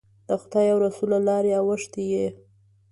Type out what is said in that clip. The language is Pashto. د خدای او رسول له لارې اوښتی یې.